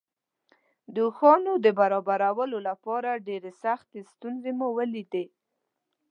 د اوښانو د برابرولو لپاره ډېرې سختې ستونزې مو ولیدې.